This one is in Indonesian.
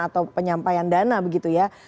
atau penyampaian dana begitu ya